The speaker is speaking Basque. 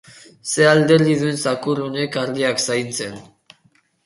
Ze alderdi duen zakur unek ardiak zaintzen!